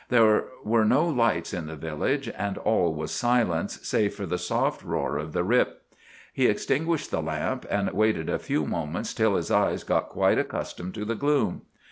There were no lights in the village, and all was silence save for the soft roar of the Rip. He extinguished the lamp, and waited a few moments till his eyes got quite accustomed to the gloom.